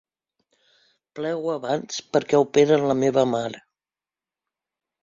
Plego abans perquè operen la meva mare.